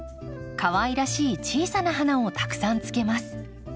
かわいらしい小さな花をたくさんつけます。